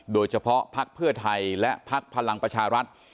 พักเพื่อไทยและพักพลังประชารัฐ